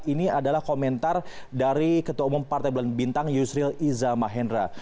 ini adalah komentar dari ketua umum partai bulan bintang yusril iza mahendra